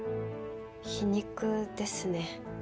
皮肉ですね。